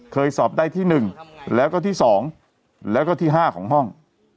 สอบได้ที่๑แล้วก็ที่๒แล้วก็ที่๕ของห้อง